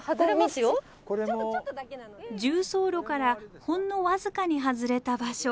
縦走路からほんの僅かに外れた場所。